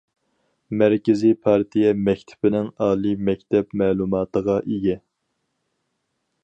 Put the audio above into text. مەركىزىي پارتىيە مەكتىپىنىڭ ئالىي مەكتەپ مەلۇماتىغا ئىگە.